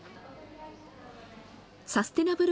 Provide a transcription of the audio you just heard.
サステナブル